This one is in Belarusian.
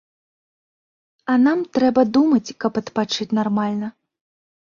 А нам трэба думаць, каб адпачыць нармальна.